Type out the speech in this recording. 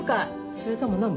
それとも飲む？